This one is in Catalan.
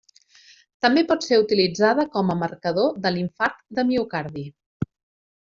També pot ser utilitzada com a marcador de l'infart de miocardi.